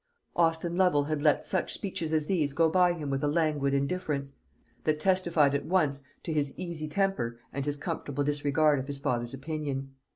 Austin Lovel had let such speeches as this go by him with a languid indifference, that testified at once to his easy temper and his comfortable disregard of his father's opinion.